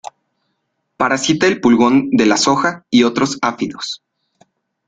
Parasita el pulgón de la soja y otros áfidos.